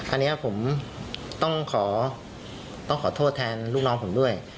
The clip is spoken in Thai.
อันนี้ผมต้องขอโทษแทนลูกน้องผมด้วย